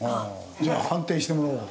じゃあ判定してもらおうか。